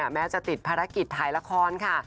แม้จะติดภารกิจถ่ายละครค่ะ